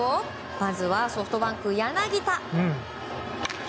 まずはソフトバンク、柳田。